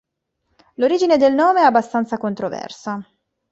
L'origine del nome è abbastanza controversa.